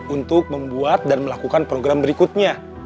untuk membuat dan melakukan program berikutnya